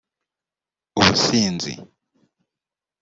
ubusinzi